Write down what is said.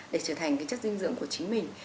để trở thành chất dinh dưỡng của chính mình